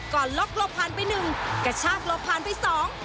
ก่อนล๊อคลบผ่านไปหนึ่งกระชากลบผ่านไปสอง